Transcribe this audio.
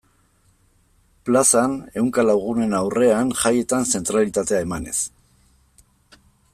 Plazan, ehunka lagunen aurrean, jaietan zentralitatea emanez.